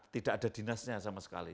tidak ada dinasnya sama sekali